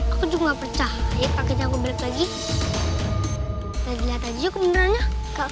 aku juga gak percaya kakek canggul balik lagi